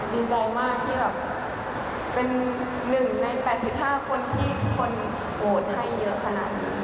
ดีใจมากที่แบบเป็นหนึ่งใน๘๕คนที่ทุกคนโหไทยเยอะขนาดดี